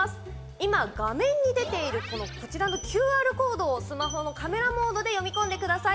今、画面に出ているこちらのＱＲコードをスマホのカメラモードで読み込んでください。